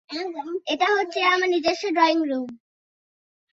এটা হচ্ছে আমার নিজস্ব ড্রয়িং রুম।